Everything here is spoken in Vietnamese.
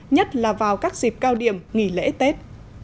nhất là vào các dịp cao điểm nghỉ lễ tết